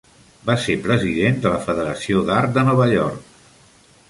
Va ser president de la Federació d'Art de Nova York.